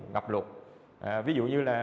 gặp lột ví dụ như là